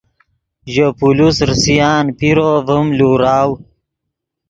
ژے پولیس ریسان پیرو ڤیم لوراؤ